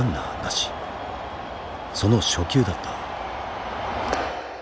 その初球だった。